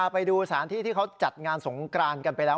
ไปดูสถานที่ที่เขาจัดงานสงกรานกันไปแล้ว